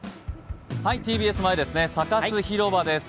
ＴＢＳ前ですね、サカス広場です。